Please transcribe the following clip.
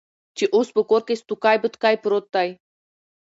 چې اوس په کور کې سوتکى بوتکى پروت دى.